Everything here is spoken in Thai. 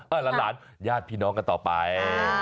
หลานญาติพี่น้องกันต่อไป